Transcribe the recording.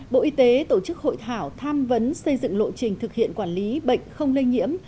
bộ y tế tổ chức hội thảo tham vấn xây dựng lộ trình thực hiện quản lý bệnh không lây nhiễm